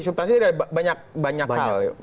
subtansi itu ada banyak banyak hal